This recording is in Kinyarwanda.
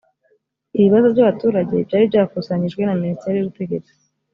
ibibazo by abaturage byari byakusanyijwe na minisiteri y ubutegetsi